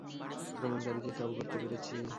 আক্রমণকারীকে কাবু করতে পেরেছি।